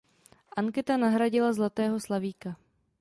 Anketa nahradila Zlatého slavíka.